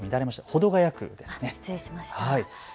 保土ケ谷区ですね。